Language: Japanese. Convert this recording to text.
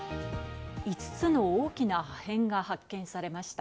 ５つの大きな破片が発見されました。